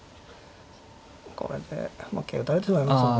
これでまあ桂打たれてしまいますね。